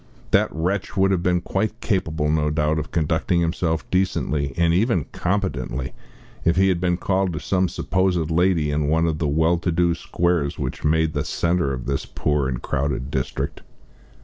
That wretch would have been quite capable, no doubt, of conducting himself decently and even competently, if he had been called to some supposed lady in one of the well to do squares which made the centre of this poor and crowded district.